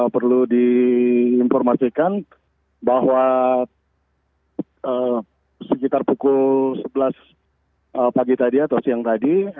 perlu diinformasikan bahwa sekitar pukul sebelas pagi tadi atau siang tadi